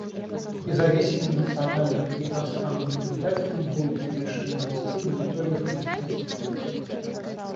Независимым национальным и иностранным наблюдателям будет разрешено вести мониторинг президентских выборов.